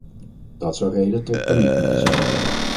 Dat zou reden tot paniek moeten zijn.